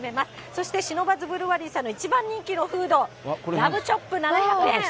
そしてシノバズブルワリーさんの一番人気のフード、ラムチョップ７００円。